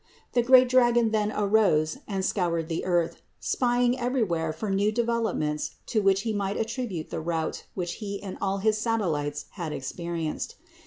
The great dragon then arose and scoured the earth, spying everywhere for new developments to which he might attribute the rout which he and all his satellites had experienced.